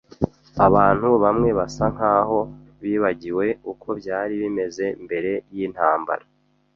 Abantu bamwe basa nkaho bibagiwe uko byari bimeze mbere yintambara.